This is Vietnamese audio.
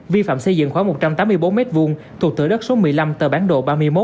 vi phạm xây dựng khoảng một trăm tám mươi bốn m hai thuộc thửa đất số một mươi năm tờ bán đồ ba mươi một